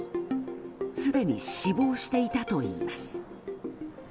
すでに死亡していたといいます。